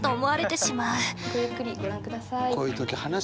ごゆっくりご覧ください。